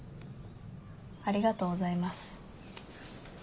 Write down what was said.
ありがとうございます。